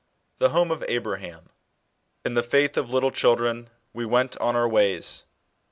THE HOME OP \BRAHAM. " In the faith of liUle children, we went on our ways."